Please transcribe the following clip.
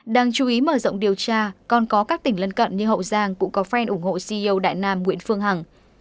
đang chú ý mở rộng điều tra còn có các tỉnh lân cận như hậu giang cũng có phen ủng hộ ceo đại nam nguyễn phương hằng